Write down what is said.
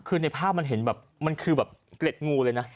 คือในภาพมันเห็นแบบมันคือแบบเกล็ดงูเลยนะ